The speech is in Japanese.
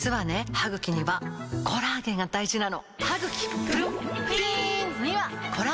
歯ぐきにはコラーゲンが大事なの！